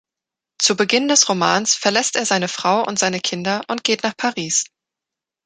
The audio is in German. Zu Beginn des Romans verlässt er seine Frau und seine Kinder und geht nach Paris.